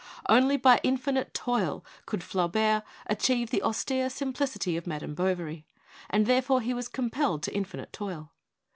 Only by infinite toil could Flaubert achieve the austere simplicity of 'Madame Bovary/ and therefore he was com pelled to infinite toil.